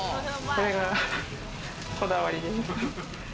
これがこだわりです。